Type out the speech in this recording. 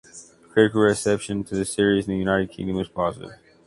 Critical reception to the series in the United Kingdom was positive.